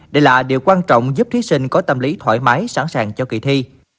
đây là điều quan trọng giúp thí sinh có tâm lý thoải mái sẵn sàng cho kỳ thi